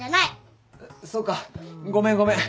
そうかごめんごめん。